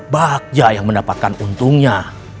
bagjah yang mendapatkan untungnya